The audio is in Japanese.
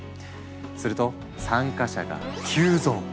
すると参加者が急増！